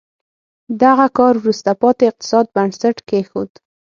دغه کار وروسته پاتې اقتصاد بنسټ کېښود.